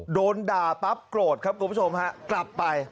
โดนด่าปั๊บโกรธครับผู้ชมครับ